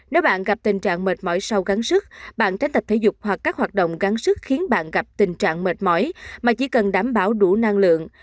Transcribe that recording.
nếu bạn gặp tình trạng mệt mỏi sau gắn sức bạn sẽ tập thể dục hoặc các hoạt động gắn sức khiến bạn gặp tình trạng mệt mỏi mà chỉ cần đảm bảo đủ năng lượng